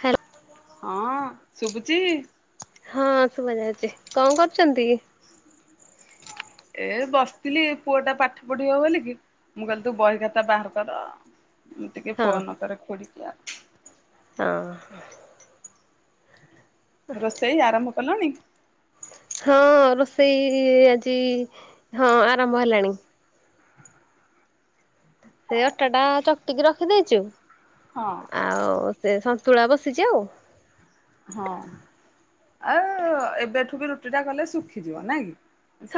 ହା ହଁ ଶୁବୁଚି? ହଁ ଶୁଭାଯାଉଚି କଣ କରୁଚନ୍ତି? ଏ ବସିଥିଲି ପୁଅ ଟା ପାଠ ପଢିବ ବୋଲି କି ମୁଁ କଇଲି ତୁ ବହି ଖାତା ବାହାର କର ମୁଁ ଟିକେ ହଁ ଫୋନ କରେ ଖୁଡ଼ିକି ଆ ହଁ। ରୋଷେଇ ଆରମ୍ଭ କଲଣି? ହଁ ରୋଷେଇ ଆଜି ହଁ ଆରମ୍ଭ ହେଲାଣି। ସେ ଅଟାଟା ଚକୁଟିକି ରଖିଦେଇଚୁ ହଁ ଆଉ ସେ ସନ୍ତୁଳା ବସିଚି ଆଉ। ହଁ ଆ ଏବେଠୁ ବି ରୁଟି ଟା କଲେ ଶୁଖିଯିବ ନାଇଁ କି?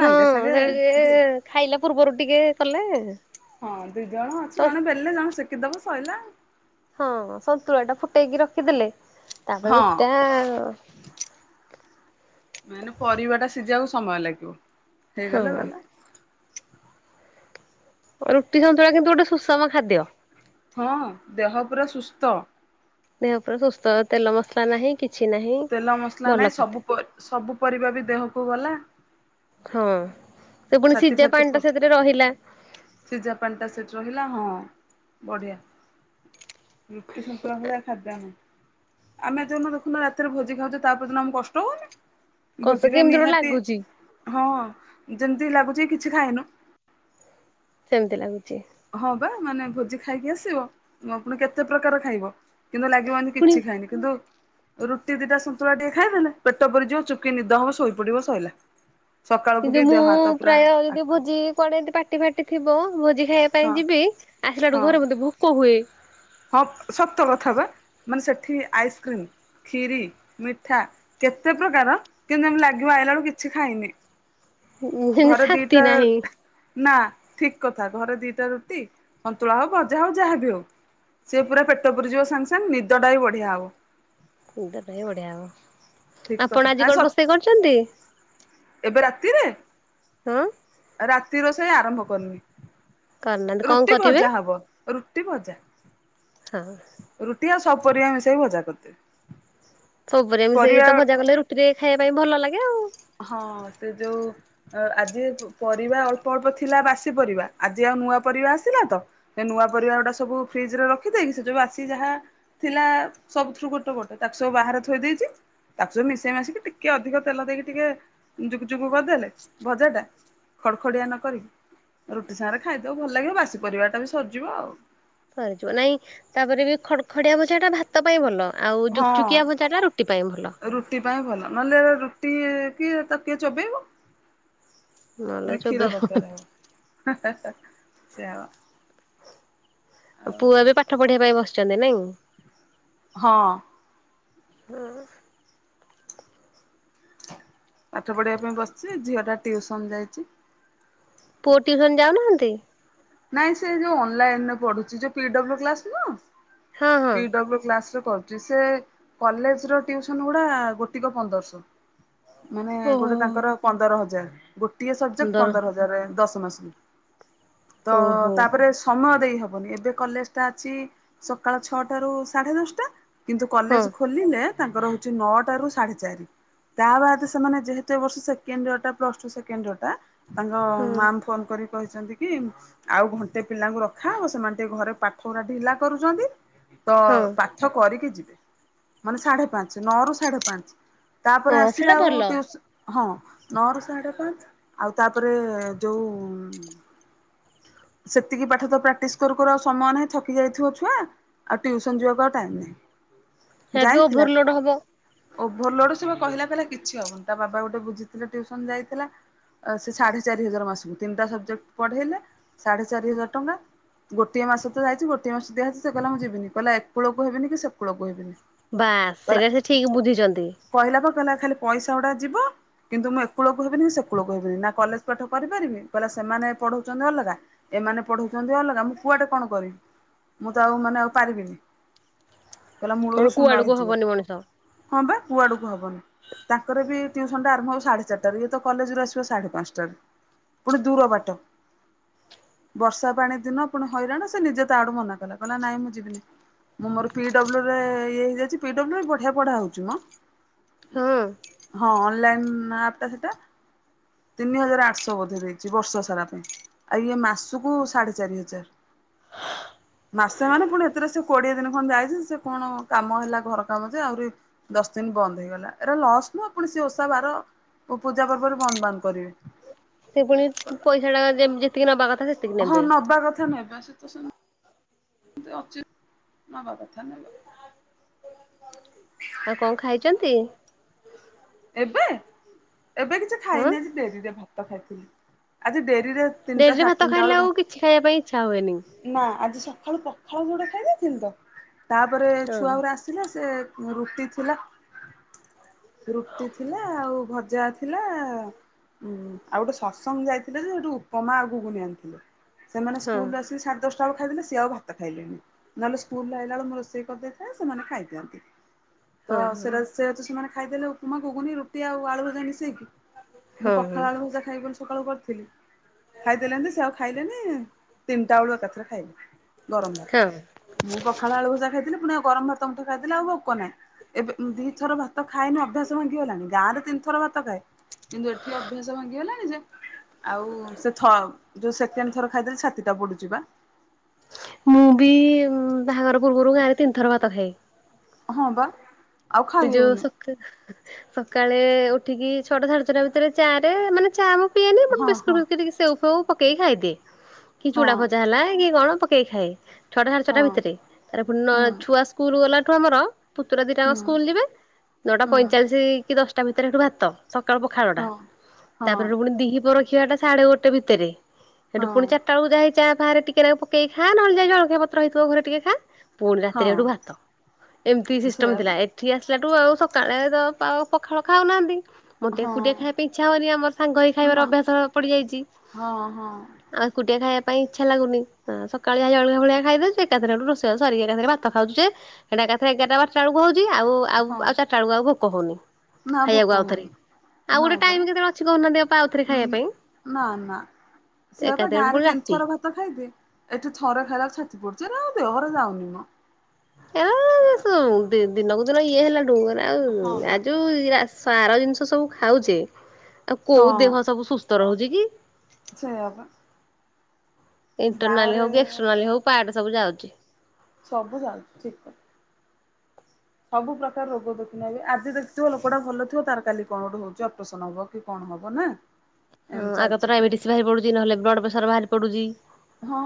ହଁ ସାଙ୍ଗେ ସେ ଟିକେ ଦି ଖାଇଲା ପୂର୍ବରୁ ଟିକେ କଲେ ହଁ ଦୁଇ ଜଣ ସ ଅଛୁ ଜଣେ ବେଲିଲେ ଜଣେ ସେକିଦବ ସଇଲା। ହଁ ସନ୍ତୁଳା ଟା ଫୁଟେଇକି ରଖିଦେଲେ ତାପରେ ହଁ ରୁଟିଟା ମେନେ ପରିବା ଟା ସିଜିବାକୁ ସମୟ ଲାଗିବ ହଁ ହେଇଗଲେ ଗଲା। ରୁଟି ସନ୍ତୁଳା କିନ୍ତୁ ଗୋଟେ ସୁଷମ ଖାଦ୍ୟ। ହଁ ଦେହ ପୁରା ସୁସ୍ଥ। ଦେହ ପୁରା ସୁସ୍ଥ ତେଲ ମସଲା ନାହିଁ କିଛି ନାହିଁ ଭଲ ଖାଦ୍ୟ। ପ‌ଏ ସବୁ ପରିବା ବି ଦେହକୁ ଗଲା। ହଁ ସେ ପୁଣି ସିଜା ପାଣିଟା ସେଥିରେ ରହିଲା। ସିଜାପାଣିଟା ସେଇଠି ରହିଲା ହଁ ବଢିଆ। ରୁଟି ସନ୍ତୁଳା ଭଳିଆ ଖାଦାମ ଆମେ ଯୋଉଦିନ ଦେଖୁନୁ ରାତିରେ ଭୋଜି ଖାଉଚେ ତା ପରଦିନ ଆମକୁ କଷ୍ଟ ହୋଉନି। କଷ ଭୋଜିରେ କେମିତି ଗୋଟେ ନିହାତି ଲାଗୁଛି ହଁ ଯେମିତି ଲାଗୁଚି କିଛି ଖାଇନୁ। ସେମତି ଲାଗୁଚି। ହଁ ପା ମାନେ ଭୋଜି ଖାଇକି ଆସିବ ମ ପୁଣି କେତେ ପ୍ରକାର ଖାଇବ। କିନ୍ତୁ ଲାଗିବ ଏମିତି ପୁଣି କିଛି ଖାଇନି କିନ୍ତୁ ରୁଟି ଦିଟା ସନ୍ତୁଳା ଟିକେ ଖାଇଦେଲେ ପେଟ ପୁରୀ ଯିବ। ଚୁପକୀ ନିଦ ହବ ଶୋଇପଡିବ ସଇଲା। କିନ୍ତୁ ମୁଁ ପ୍ରାୟ ଯଦି ଆକ୍ଟିଭ୍। ଭୋଜି କୁଆଡେ ପା ର୍ଟି ଫାଟି ଥିବ ଭୋଜି ଖାଇବା ହଁ ପାଇଁ ଯିବି ଆସିଲାଠୁ ହଁ ଘରେ ମତେ ଭୋକ ହୁଏ। ହଁ ସତ କଥା ପା ମାନେ ସେଠି ଆଇସ୍କ୍ରିମ କ୍ଷୀରି, ମିଠା କେତେ ପ୍ରକାର କିନ୍ତୁ ଏମିତି ଲାଗିବ ଆଇଲା ବେଳକୁ କିଛି ଖାଇନି। ସେମିତି ଘରେ ଶାନ୍ତି ଦିଇଟା ନାହିଁ। ନା ଠିକ କଥା ଘରେ ଦିଇଟା ରୁଟି ସନ୍ତୁଳା ହୋଉ ଭଜା ହୋଉ ଯାହାବି ହୋଉ। ସେ ପୁରା ପେଟ ପୁରିଯିବ ସାଙ୍ଗେ ସାଙ୍ଗେ ନିଦଟା ବି ବଢିଆ ହବ। ନିଦଟା ବି ବଢିଆ ଠିକ ହବ। କଥା ଆପଣ ଆ ଆଜି ସ କଣ ରୋଷେଇ କରୁଚନ୍ତି? ଏବେ ରାତିରେ? ହଁ। ରାତି ରୋଷେଇ ଆରମ୍ଭ କରିନାହାନ୍ତି କରିନି କଣ ରୁଟି କରିବେ ଭଜା ହବ। ରୁଟି ଭଜା। ହଁଅ। ରୁଟି ଆଉ ସବୁ ପରିବା ମିଶେଇକି ଭଜା କରିଦେବି। ସବୁ ପରିବାକୁ ମିସେଇକି ତ ପରିବା ଭଜା କଲେ ରୁଟିରେ ଖାଇବା ପାଇଁ ଭଲ ଲାଗେ ଆଉ। ହଁ ସେ ଯୋଉ ଅ ଆଜି ପରିବା ଅଳ୍ପ ଅଳ୍ପ ଥିଲା ବାସି ପରିବା। ଆଜି ଆଉ ନୂଆ ପରିବା ଆସିଲା ତ। ସେ ନୂଆ ପରିବା ଗୁଡା ସବୁ ଫ୍ରିଜ୍ ରେ ରଖିଦେଇକି ସେ ଯୋଉ ବାସି ଯାହା ଥିଲା ସବୁଥୁରୁୁ ଗୋଟେ ଗୋଟେ ତାକୁ ସବୁ ବାହାରେ ଥୋଇ ଦେଇଚି। ତାକୁ ସବୁ ମିଶେଇ ମାଶେଇକି ଟିକେ ଅଧିକ ତେଲ ଦେଇକି। ଟିକେ ଜୁକୁ ଜୁକୁ କରିଦେଲେ ଭଜାଟା ଖଡ ଖଡିଆ ନ କରିକି ରୁଟି ସାଙ୍ଗରେ ଖାଇଦୋବୁ ଭଲ ଲାଗିବ ବାସି ପରିବାଟା ବି ସରିଯିବ ଆଉ। ସରିଯିବ ନାଇଁ ତାପରେ ବି ଖଡ୍ ଖଡିଆ ଭଜାଟା ଭାତ ପାଇଁ ଭଲ। ଆଉ ଜୁକ୍ ଜୁକିଆ ହଁ ଭଜାଟା ରୁଟି ପାଇଁ ଭଲ। ରୁଟି ପାଇଁ ଭଲ ନହେଲେ ରୁଟି କିଏ ତାକୁ କିଏ ଚୋବେଇବ। ନହେଲେ ପୁଣି କ୍ଷୀର ଚୋବେଇ ହବନି ଦରକାର ହବ। ସେଇଆ ପା। ପୁଅ ଏବେ ପାଠ ପଢିବା ପାଇଁ ବସିଚନ୍ତି ନାଇଁ? ହଁଅ। ପାଠ ପଢିବା ପାଇଁ ବସିଚି ଝିଅଟା ଟିଉସନ୍ ଯାଇଚି। ପୁଅ ଟିଉସନ୍ ଯାଉନାହାନ୍ତି? ନାଇଁ ସେ ଯୋଉ ଅନଲାଇନରେ ପଢୁଚି ଯୋଉ ପୀଡବ୍ଲୁ କ୍ଲାସ ନୁହଁ। ହଁ ହଁ ପୀଡବ୍ଲୁ କ୍ଲାସରେ କରୁ ଜେ ସେ କଲେଜର ଟିଉସନ୍ ଗୁଡା ଗୋଟିକ ପନ୍ଦରଶହ। ମାନେ ଗୋଟେ ଓହୋ ତାଙ୍କର ପନ୍ଦର ହଜାର। ଗୋଟିଏ ସବଜେକ୍ଟ ପନ୍ଦର ହଜାରେ ଦଶ ମାସକୁ। ତ ଓହୋ ତାପରେ ସୁ ସମୟ ଦେଇ ହବନି ଏବେ କଲେଜଟା ଅଛି ସକାଳ ଛଅଟା ରୁ ସାଢେ ଦଶଟା। କିନ୍ତୁ ହଁ କଲେଜ ଖୋଲିଲେ ତାଙ୍କର ହୋଉଚି ନଅଟା ରୁ ସାଢେ ଚାରି। ତା ବାଦ୍ ସେମାନେ ଯେହେତୁ ଏ ବର୍ଷ ସେକେଣ୍ଡ ଇଅର ଟା ପ୍ଲସ୍ ଟୁ ସେକେଣ୍ଡ ଇଅର ଟା ତାଙ୍କ ହଁ ମାମ୍ ଫୋନ୍ କରିକି କହିଛନ୍ତି କି ଆଉ ଘଣ୍ଟେ ପିଲାଙ୍କୁ ରଖାଅ ସେମାନେ ଟିକେ ଘରେ ପାଠଗୁରା ଢିଲା କରୁଛନ୍ତି। ତ ହଁ ପାଠ କରିକି ଯିବେ ମାନେ ସାଢେ ପାଞ୍ଚ୍ ନଅ ରୁ ସାଢେ ପାଞ୍ଚ୍। ହଁ ତାପରେ ଆସିଲେ ସେଇଟା ଆଉ ଭଲ ଟିଉସୁ ହଁ ନଅ ରୁ ସାଢେ ପାଞ୍ଚ୍ ଆଉ ତାପରେ ଯୋଉ ସେତିକି ପାଠ ତ ପ୍ରାକ୍ଟିସ କରୁ କରୁ ଆଉ ସମୟ ନାହିଁ ଥକି ଯାଇଥିବ ଛୁଆ। ଆଉ ଟିଉସନ୍ ଯିବାକୁ ଆଉ ଟାଇମ୍ ନାହିଁ। [inaudible] ଯାଇଥିଲା ଓଭରଲୋଡ ହବ ଓଭରଲୋଡ ସେ ପା କହିଲା କହିଲା କିଛି ହବନି ତା ବାବା ଗୋଟେ ବୁଝିଥିଲେ ଟିଉସନ୍ ଯାଇଥିଲା। ଆ ସେ ସାଢେ ଚାରି ହଜାର ମାସକୁ ତିନ୍ ଟା ସବଜେକ୍ଟ ପଢେଇଲେ ସାଢେ ଚାରି ହଜାର ଟଙ୍କା। ଗୋଟିଏ ମାସ ତ ଯାଇଛି ଗୋଟିଏ ମାସ ଦିଆହେଇଛି ସେ କହିଲା ମୁଁ ଯିବିନି କହିଲା ଏ କୂଳକୁ ହେବିନି କି ସେ କୂଳକୁ ହେବିନି। ବାସ୍ କହିଲା ସେଇଟା ସେ ଠିକ୍ ବୁଝିଚନ୍ତି। କହିଲା ପା କହିଲା ଖାଲି ପଇସା ଉଡା ଯିବ କିନ୍ତୁ ମୁଁ ଏକୂଳକୁ ହେବିନି କି ସେକୂଳକୁ ହେବିନି ନା କଲେଜ୍ ପାଠ କରିପାରିବି କଇଲା ସେମାନେ ପଢଉଚନ୍ତି ଅଲଗା ଏମାନେ ପଢଉଚନ୍ତି ଅଲଗା ମୁଁ କୁଆଡେ କଣ କରିବି। ମୁଁ ତ ଆଉ ମାନେ ଆଉ ପାରିବିନି କଇଲା କଣ ମୂଳୁରୁ ସୁନ କୁଆଡକୁ ହେଇଯିବ। ହବନି ମଣିଷ ହଁ ବା କୁଆଡୁକୁ ହବନି। ତାଙ୍କର ବି ଟ୍ୟୁସନ୍ ଟା ଆରମ୍ଭ ହବ ସାଢେ ଚାରିଟାରୁ ଇଏ ତ କଲେଜ୍ ରୁ ଆସିବ ସାଢେ ପାନ୍ସାଟାରୁ। ପୁଣି ଦୂର ବାଟ। ବର୍ଷା ପାଣି ଦିନ ପୁଣି ହଇରାଣ ସେ ନିଜେ ତା ଆଡୁ ମନା କଲା କଇଲା ନାଇଁ ମୁଁ ଯିବିନି। ମୁଁ ମୋର ପି ଡବ୍ଲୁ ରେ ଇଏ ହେଇଯାଇଛି ପି ଡବ୍ଲୁ ରେ ବଢିଆ ପଢା ହଉଛି ମ। ହଁ ହଁ ଅ ନଲାଇନ ଆପଟା ସେଟା ତିନି ହଜାର ଆଠଶହ ବୋଧେ ଦେଇଛି ବର୍ଷ ସାରା ପାଇଁ। ଆ ଇଏ ମାସକୁ ସାଢେ ଚାରି ହଜାର। [inaudible] ମାସେ ମାନେ ପୁଣି ଏଥିରେ ସେ କୋଡିଏ ଦିନି ଖଣ୍ଡ ଯାଇଛି ସେ କଣ କାମ ହେଲା ଘର କାମ ଯେ ଆହୁରି ଦଶ ଦିନ ବନ୍ଦ ହେଇଗଲା ଏରା ଲସ ନା ପୁଣି ସେ ଓଷା ବାର ଓ ପୂଜା ପର୍ବରେ ବନ୍ଦ ବାନ୍ଦ କରିବେ। ସେ ପୁଣି ପଇସାଟା ଯେମ ଯେତିକି ନବା କଥା ସେ ହଁ ନବା କଥା ନେବେ ସେ ତ ସେମ୍ ଯେ ଅଛି ନବା କଥା ନେବେ। ଆଉ କଣ ଖାଇଛନ୍ତି। ଏବେ ଏବେ କିଛି ହଁ ଖାଇନି ଆଜି ଡେରିରେ ଭାତ ଖାଇଥିଲି ଆଜି ଡେରିରେ ତିନିଟା ଡେରିରେ ସାଢେ ଭାତ ତିନିଟା ଖାଇଲେ ବେଳୁ ଆଉ କିଛି ଖାଇବା ପାଇଁ ଇଚ୍ଛା ହୁଏନି। ନା ଆଜି ସକାଳୁ ପଖାଳ ମୁଠେ ଖାଇ ଦେଇଥିଲି ତ ତାପରେ ହଁ ଛୁଆ ଉରା ଆସି ଥିଲେ ସେ ରୁଟି ଥିଲା ରୁଟି ଥିଲା ଆଉ ଭଜା ଥିଲା ହୁଁ ଆଉ ଗୋଟେ ସତ୍ସଙ୍ଗ ଯାଇଥିଲେ ଯେ ହେଟୁ ଉପମା ଆଉ ଘୁଗୁନି ଆଣିଥିଲେ। ସେମାନେ ହଁ ସ୍କୁଲରୁ ଆସିକି ସାଢେ ଦଶଟା ବେଳୁ ଖାଇଦେଲେ ସିଏ ଆଉ ଭାତ ଖାଇଲେନି। ନହେଲେ ସ୍କୁଲରୁ ଆଇଲା ବେଳେ ମୁଁ ରୋଷେଇ କରିଦେଇଥାଏ ସେମାନେ ଖାଇଦିଅନ୍ତି। ତ ହଁ ହଁ ସେରା ସେୟାତ ସେମାନେ ଖାଇଦେଲେ ଉପୁମା ଘୁଗୁନି ରୁଟି ଆଉ ଆଳୁ ଭଜା ମିଶେଇକି। ମୁଁ ହଁ ପଖାଳ ଆଳୁ ଭଜା ଖାଇବି ବୋଲି ସକାଳୁ କରିଥିଲି ଖାଇଦେଲେ ଯେମିତି ସେ ଆଉ ଖାଇଲେନି ତିନିଟା ବେଳୁ ଏକାଥରେ ଖାଇଲେ ଗରମ ହଁ ହଁ ଭାତ। ମୁଁ ପଖାଳ ଆଳୁଭଜା ଖାଇଥିଲି ପୁଣି ଆଉ ଗରମ ଭାତ ମୁଠେ ଖାଇଥିଲି ଆଉ ଭୋକ ନାହିଁ। ଏବେ ଦିଥର ଭାତ ଖାଇନି ଅଭ୍ୟାସ ସ ଭାଙ୍ଗିଗଲାଣି ଗାଁରେ ତିନିଥର ଭାତ ଖାଏ କିନ୍ତୁ ଏଠି ଅଭ୍ୟାସ ଭାଙ୍ଗିଗଲାଣି ଯେ ଆଉ ସେ ଥ ଯୋଉ ସେକେଣ୍ଡ ଥର ଖାଇଦେଲେ ଛାତିଟା ପୋଡୁଛି ବା। ମୁଁ ବି ବାହାଘର ପୂର୍ବରୁ ଗାଁରେ ତିନିଥର ଭାତ ଖାଏ। ହଁ ବା। ଆଉ ଖାଇ ତ ଯୋଉ ହଉନି ସୁ [inaudible] ସକାଳେ ଉଠିକି ଛଅଟା ସାଢେ ଛଅଟା ଭିତରେ ଚା ଟେ, ମାନେ ଚା ମୁଁ ପିଏନି ମୁଁ ହଁ ହଁ ବିସ୍କୁଟ୍ କି ଟିକେ ସେଉ ଫେଉ ପକେଇ ଖାଇଦିଏ। କି ହଁ ଚୁଡାଭଜା ହେଲା କି କଣ ପ କେଇ ଖାଏ, ଛଅଟା ସାଢେ ଛଅଟା ହଁ ଭିତରେ। ତାପରେ ପୁଣି ନଅ ହୁଁ ଛୁଆ ସ୍କୁଲ୍ ଗଲାଠୁ ଆମର, ପୁତୁରା ଦିଟାଙ୍କ ହୁଁ। ସ୍କୁଲ୍ ଯିବେ ନଅଟା ହୁଁ ପଇଁଚାଳିଶ କି ଦଶଟା ଭିତରେ ସେଠୁ ଭାତ। ସକାଳ ପଖାଳଟା, ହଁ ହଁ ତାପରେ ସେଠୁ ପୁଣି ଦିହିପଅର ଖିଆଟା ସାଢେ ଗୋଟେ ଭିତରେ। ସେଠୁ ହଁ ପୁଣି ଚାଟା ବେଳକୁ ଯାହା ଏଇ ଚା ଫାଆରେ ଟିକେ ନା କୁ ପକେଇକି ଖା, ନହେଲେ ଯାଇ ଜଳଖିଆ ପତ୍ର ହେଇଥିବ ଘରେ ଟିକେ ଖା। ପୁଣି ରାତିରେ ହଁ ଏଠୁ ଭାତ ଏମିତି ସିଷ୍ଟମ୍ ସେଇଆ ଥିଲା। ପା। ଏ ଠିକି ଆସିଲାଠୁ ଆଉ ସକାଳେ ତ ଆଉ ପାଉ ପଖାଳ ଖାଉନାହାନ୍ତି। ମୋତେ ହଁ ଏକୁଟିଆ ଖାଇବା ପାଇଁ ଇଚ୍ଛା ହଉନି ଆମର ସାଙ୍ଗ ହେଇ ଖାଇବାର ନା ଅଭ୍ୟାସ ପଡିଯାଇଚି। ହଁ ହଁ ଆ, ଏକୁଟିଆ ଖାଇବା ପାଇଁ ଇଚ୍ଛା ଲାଗୁନି, ଅଁ, ତ ସକାଳେ ଯାହା ଜଳଖିଆ ଫଳିଖିଆ ଖାଇଦଉଛି। ଏକାଥରେ ରୋଷେଇ ବାସ ସରିକି ଏକାଥରେ ଭାତ ଖାଉଛୁ ଯେ ସେଟା ଏକାଥରେ ଏଗାରଟା ବାରଟା ବେଳକୁ ହଉଛି, ଆଉ ଆଉ ହଁ ଆଉ ଚାରଟା ବେଳକୁ ଆଉ ଭୋକ ହଉନି ନା ଭୋକ ଖାଇବାକୁ ଆଉଥରେ। ହଉନି। ଆଉ ଗୋଟେ ନାଇଁ ପରା। ଟାଇମ୍ କେତେବେଳେ ଅଛି କହୁନାହାନ୍ତି ଅପା ଆଉ ଥରେ ଉଁ ଖାଇବା ପାଇଁ? ନା, ନା ସେଇଆ ପଳ ଏକାଥରେ ପୁଣି ଗାଁରେ ତିନି ରାତି। ଥର ଭା ତ ଖାଇଦିଏ, ଏଠି ଥରେ ଖାଇଲାକୁ ଛାତି ପଡୁଚି। ଏରା ଆଉ ଦେହରେ ଯାଉନି ମ। [inaudible] ଦି- ଦିନକୁ ଦିନ ଇଏ ହେଲାଠୁ ଏରା ଆଉ ହଁ ବା ଆ ଯୋଉ ରାସ ସାର ଜିନିଷ ସବୁ ଖାଉଚେ ଆଉ କୋଉ ହଁ ଦେହ ସବୁ ସୁସ୍ଥ ରହୁଛି କି। ସେଇଆ ପା। ଇଣ୍ଟରନାଲି ହଉ ଏକ୍ସଟ୍ରାର୍ନାଲି ହଉ ପାର୍ଟ ସବୁ ଯାଉଛି। ସବୁ ଯାଉଛି ଠିକ କଥା। ସବୁ ପ୍ରକାର ରୋଗ ଦେଖୁନ ଏବେ, ଆଜି ଦେଖଥିବ ଲୋକଟା ଭଲ ଥିବ ତାର କାଲି କଣ ଗୋଟେ ହଉଚି ଅପରେସନ୍ ହବ। କି କଣ ହବ ନା? ହଁ ଏମିତି ଆଗ ଚାଲିଛି ତୁରା ପୁରା ଡାଇବେଟିସ୍ ବାହାରି ପଡୁଚି, ନହେଲେ ବ୍ଲଡ୍ ପ୍ରେସର୍ ବାହାରି ପଡୁଚି। ହଁ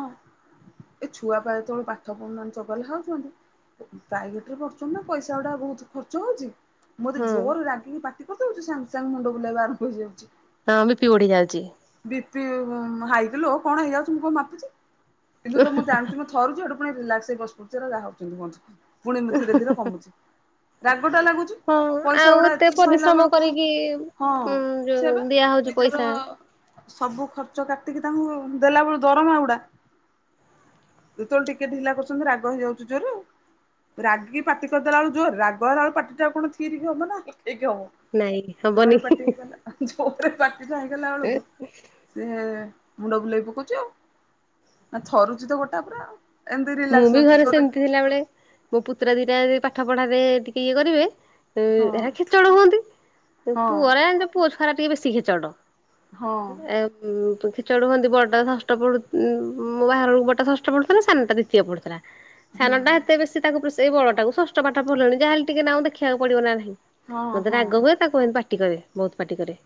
ଏ ଛୁଆ ପା ଯେତେବେଳେ ପାଠ ପଡୁ ନାହାଁନ୍ତି ଚଗଲା ହଉଛନ୍ତି ପ୍ରାଇଭେଟ୍ ରେ ପଡଛନ୍ତି ନା ପଇସା ଗୁଡା ବହୁତ ଖର୍ଚ୍ଚ ହଉଚି। ମୁଁ ଯଦି ହଁ ଜୋର ରାଗିକି ପାଟି କରିଦଉଛୁ ସାଙ୍ଗ ସାଙ୍ଗ ମୁଣ୍ଡ ବୁଲେଇବା ଆରମ୍ଭ ହେଇଯାଉଛି। ହଁ ବି ପି ବଢି ଯାଉଛି। ବି ପି ଉଁ, ହାଇ କି ଲୋ କଣ ହେଇଯାଉଛି ମୁଁ କଣ ମାପୁଚି। କିନ୍ତୁ ତ ମୁଁ ଜାଣୁଚି ମୋ ଥରୁଛି ହେଟୁ ପୁଣି ରିଲାକ୍ସ ହେଇ ବସି ପଡୁଛି ହେରା ଯାହା ହଉଛନ୍ତି ହୁଅନ୍ତୁ। ପୁଣି ମୁଁ ଧୀରେ ଧୀରେ କମୁଛି। ରାଗ ଟା ଲାଗୁଚୁ, ହଁ ପଇସା ଆଉ ଗୁଡା ଏତେ ସାଇଲା ପରିଶ୍ରମ ବେଳକୁ କରିକି ହଁ ଉଁ ସେୟା ଯୋଉ ବା ଦିଆ ନି ହଉଛି ଜର ପଇସା ସବୁ ଖର୍ଚ୍ଚ କାଟିକି ତାଙ୍କୁ ଦେଲା ବେଳୁ ଦରମା ଉଡା। ତ ଯେତେବେଳେ ଟିକେ ଢିଲା କରୁଛନ୍ତି ରାଗ ହେଇଯାଉଚୁ ଜୋର। ରାଗିକି ପାଟି କରିଦେଲା ବେଳୁ ଜୋର, ରାଗହେଲା ବେଳେ ପାଟି ଟା ଆଉ କଣ ଥିରିକି ହବ ନା [unintelligible] ନାଇଁ ହବ। ହବନି। ଜୋରେ ପାଟି ହେଇଗଲା, ଜୋରେ ପାଟି ଟା ହେଇଗଲା ବେଳକୁ ସେ ମୁଣ୍ଡ ବୁଲେଇ ପକଉଚି ଆଉ, ଆ, ଥରୁଚି ତ ଗୋଟା ପୁରା ଆଉ। ମୁଁ ବି ଘରେ ସେମିତି ଥିଲାବେଳେ ମୋ ପୁତୁରା ଦିଟା ଯଦି ପାଠ ପଢାରେ ଟିକେ ଇଏ କରିବେ ଅ, ହଁ ଏରା ଖେଚଡ ହୁଅନ୍ତି, ଏ ହଁ ପୁଅରା ଏମତି ପୁଅ ଛୁଆରା ଟିକେ ବେଶୀ ଖେଚଡ। ହଁ ଏ ଉଁ, ତ ଖେଚଡ ହୁଅନ୍ତି, ବଡାଟା ଷଷ୍ଠ ପଢୁ ଉଁ, ମୋ ବାହାଘର ବେଳକୁ ବଡଟା ଷଷ୍ଠ ପଢୁଥିଲା। ସାନଟା ଦି ତୀୟ ପଢୁଥିଲା, ହୁଁ ସାନଟା ଏତେ ବେଶୀ ତାକୁ ପ୍ର ସେଇ ବଡଟାକୁ ଷଷ୍ଠ ପାଠ ପଢିଲାଣି ଯାହେଲେ ଟିକେ ନାଉ ଦେଖିବାକୁ ପଡିବ ନାହିଁ। ହଁ ମୋତେ ହଁ ରାଗ ହୁଏ ତାକୁ ଏମତି ପାଟି କରେ, ବହୁତ ପାଟି କରେ।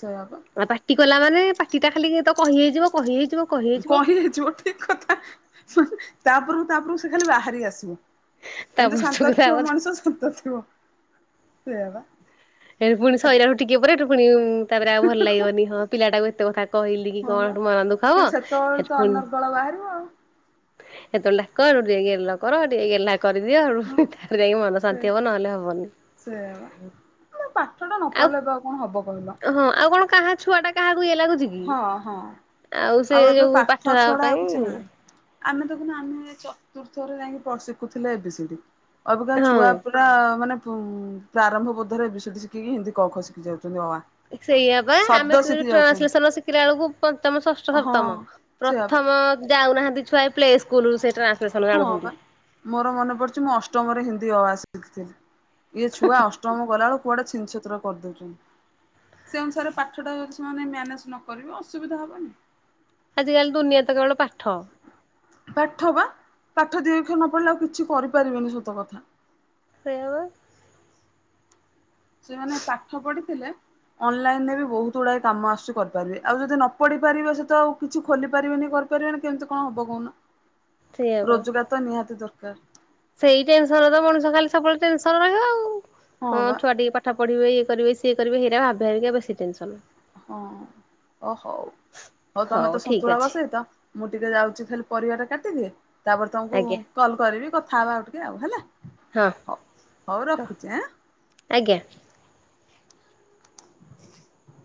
ସେୟା ପା। ଆଉ ପାଟି କଲା ମାନେ ପାଟି ଟା ଖାଲି ତ କହି ହେଇଯିବ, କହି ହେଇଯିବ। କହି ହେଇଯିବ ଠିକ କଥା ସ-ତାପରକୁ ତାପରକୁ ସେ ଖାଲି ବାହାରି ଆସିବ। ତା ଏମିତି ପଛକୁ ଶାନ୍ତ ତା ଥିବ ପଛ ମଣିଷ ଶାନ୍ତ ଥିବ, ସେଇଆ ପା। ଏ ପୁଣି ସଇଲା ଟିକେ ପରେ ଏଠୁ ପୁଣି ତାପରେ ଆଉ ଭଲ ଲାଗିବନି, ହଁ ପିଲାଟାକୁ ଏତେ କଥା କହିଲି କି ହଁ କଣ ବା ହେଠୁ ମନ ଦୁଃଖ ହବ। କିନ୍ତୁ ସେତେବେଳେ ହେଠୁ ପୁଣ [unintelligible] ହେତେବେଳେ ଡାକ ହେଠୁ ଟିକେ ଗେଲ କର ଟିକେ ଗେହ୍ଲା କରିଦିଅ ହଁ ତାପରେ ଯାଇକି ମନ ସେ ଶାନ୍ତି ହବ ନହେଲେ ହବନି। ଗୋଟେ ପାଠ ଟା ନ ପଢିଲେ ଏବେ ଆଉ କଣ ହବ କହିଲ। ହଁ ଆଉ କଣ କାହା ଛୁଆ ଟା କାହାକୁ ଇଏ ଲାଗୁଚି କି। ହଁ ହଁ। ସେ ଆଉ ଏବେ ଯୋଉ ପାଠ ଛଡା ପାଇଁ ଆଉ କିଛି ନାହିଁ। ଆମେ ଦେଖୁନ ଆମେ ଚତୁର୍ଥରେ ଯାଇକି ଶିଖୁଥିଲେ ଏ ବି ସି ଡି। ଅବିକା ହଁ। ଛୁଆ ପୁରା ମାନେ ପ୍ରାରମ୍ଭ ବୋଧରେ ଏ ବି ସି ଡି ଶିଖିକି ହିନ୍ଦୀ କ ଖ ଶିଖି ଯାଉଛନ୍ତି ଅ ଆ। ସେଇଆ ପା ଶବ୍ଦ ଆମେ ଶିଖି ଯାଉଛନ୍ତି ଟ୍ରାନ୍ସଲେସନ ର ଶିଖିଲା ବେଳକୁ ପଞ୍ଚମ, ଷଷ୍ଟ, ହଁ ସପ୍ତମ। ସେଇଆ ପା ପ୍ରଥମ ଯାଉନାହାନ୍ତି ଛୁଆ ପ୍ଲେ ସ୍କୁଲ୍ ରୁ ସେ ଟ୍ରା ହଁ ବା ମୋର ମନେ ପଡିଚି ମୁଁ ଅଷ୍ଟମରେ ହିନ୍ଦୀ ଅ ଆ ଶିଖିଥିଲି। ଇଏ ଛୁଆ ଅଷ୍ଟମ ଗଲାବେଳକୁ କୁଆଡେ ଛିନ ଛତ୍ର କରିଦଉଛନ୍ତି। ସେ ଅନୁସାରେ ପାଠଟା ଯଦି ସେମାନେ ମ୍ୟାନେଜ୍ ନ କରିବେ ଅସୁବିଧା ହବନି। ଆଜିକାଲି ଦୁନିଆ ରେ ତ କେବଳ ପାଠ। ପାଠ ବା। ପାଠ ଦି ଅକ୍ଷର ନ ପଢିଲେ ଆଉ କିଛି କରିପାରିବେନି ସତ କଥା। ସେଇଆ ବା। ସେ ମାନେ ପାଠ ପଢିଥିଲେ ଅନଲାଇନ୍ ରେ ବି ବହୁତ ଗୁଡାଏ କାମ ଆସୁଚି କରିପାରିବେ। ଆଉ ଯଦି ନ ପଢି ପାରିବେ ସେ ତ ଆଉ କିଛି ଖୋଲି ପାରିବେନି କରି ପାରିବେନି କେମିତି କଣ ହବ କହୁନ। [unintelligible] ରୋଜଗାର ତ ନିହାତି ଦରକାର। ସେଇ ଟେନସନ୍ ରେ ତ ମଣିଷ ଖାଲି ସବୁବେଳେ ଟେନସନ୍ ରହିବ ଆଉ। ହଁ ଛୁଆ ଟିକେ ପା ପାଠ ପଢ଼ିବେ ଇଏ କରିବେ ସିଏ କରିବେ ହେଇରା ଭାବି ଭାବିକା ବେଶୀ ଟେନସନ୍। ହଁ। ଓ ହଉ, ହଉ ତମେ ତ ଠିକ୍ ସନ୍ତୁଳା ଅଛି ବସେଇଚ ମୁଁ ଟିକେ ଯାଉଚି ଖାଲି ପରିବା ଟା କାଟିଦିଏ, ତାପରେ ତମକୁ ଆଜ୍ଞା କଲ୍ କରିବି କଥା ହବା ଆଉ ଟିକେ ଆଉ ହେଲା। ହଁ ହଉ ହଉ ରଖୁଛି ଆଁ ଆଜ୍ଞା। [inaudible]